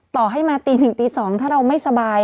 ต่อให้มาตีหนึ่งตีสองถ้าเราไม่สบาย